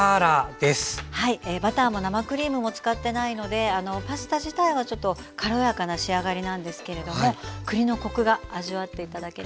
バターも生クリームも使ってないのでパスタ自体はちょっと軽やかな仕上がりなんですけれども栗のコクが味わって頂けるかと思います。